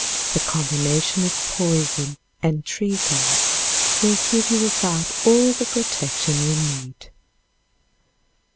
The combination of poison and tree guards will give you about all the protection you need.